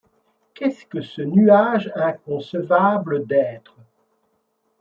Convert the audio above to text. Qu’est-ce que ce nuage inconcevable d’êtres